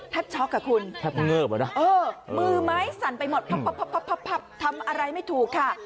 ช็อกอ่ะคุณแทบเงิบอะนะเออมือไม้สั่นไปหมดพับทำอะไรไม่ถูกค่ะ